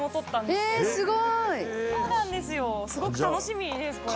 すごく楽しみですこれ。